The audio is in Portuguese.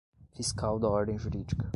fiscal da ordem jurídica.